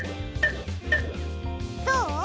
どう？